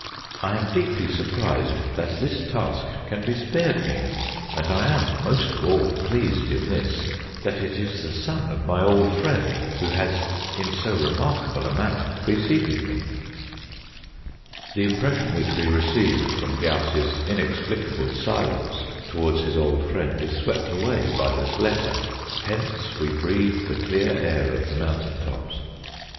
"I am deeply surprised that this task can be spared me, and I am most of all pleased in this that it is the son of my old friend who has in so remarkable a manner preceded me." The impression which we receive from Gauss's in explicable silence towards his old friend is swept away by this letter. Hence we breathe the clear air of the mountain tops.